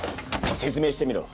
説明してみろ。